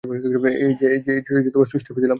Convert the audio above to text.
এই যে সুইচ টিপে দিলাম।